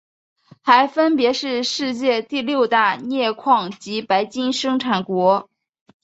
还分别是世界第六大镍矿及白金生产国。